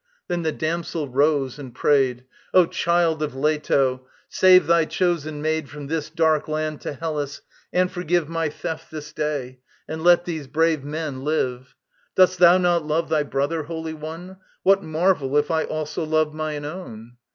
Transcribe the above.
Then the damsel rose and prayed: "O Child of Leto, save thy chosen maid From this dark land to Hellas, and forgive My theft this day, and let these brave men live. Dost thou not love thy brother, Holy One? What marvel if I also love mine own?"